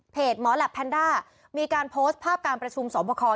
หมอแหลปแพนด้ามีการโพสต์ภาพการประชุมสอบคอ